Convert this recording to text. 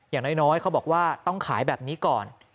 อย่างน้อยเขาบอกว่าต้องขายแบบนี้ก่อน